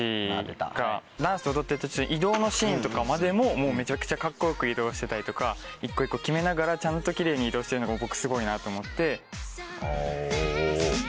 ダンスを踊ってる途中移動のシーンとかまでもめちゃくちゃカッコ良く移動してたりとか一個一個キメながらちゃんとキレイに移動してるのが僕すごいなと思って。